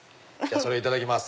それいただきます。